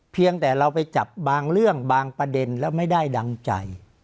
เพียงแต่เราไปจับบางเรื่องบางประเด็นแล้วไม่ได้ดังใจ